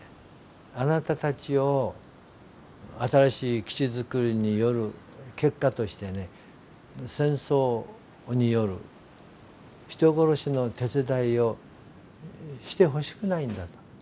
あなたたちを新しい基地造りによる結果として戦争による人殺しの手伝いをしてほしくないんだと。